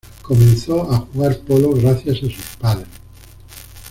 Comenzó a jugar polo gracias a sus padres.